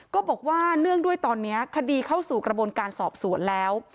ก็บอกว่าเนื่องด้วยตอนนี้คดีเข้าสู่กระบวนการสอบสวนแล้ว